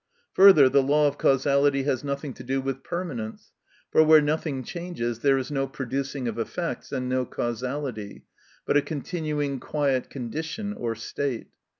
Further, the law of causality has nothing to do with permanence, for where nothing changes there is no producing of effects and no causality, but a continuing quiet condition or state.